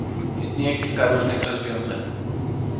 Istnieje kilka różnych rozwiązań